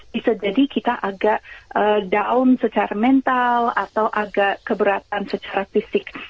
bisa jadi kita agak down secara mental atau agak keberatan secara fisik